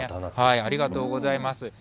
ありがとうございます。